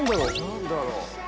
何だろう？